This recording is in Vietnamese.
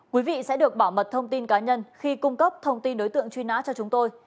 quý vị sẽ được bảo mật thông tin cá nhân khi cung cấp thông tin đối tượng truy nã cho chúng tôi